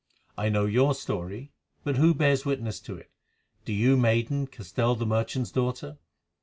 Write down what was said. "I know your story, but who bears witness to it? Do you, maiden, Castell the merchant's daughter?"